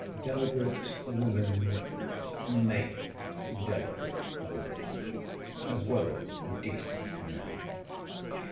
Delicate women make delicate women, as well as decent men.